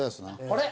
あれ？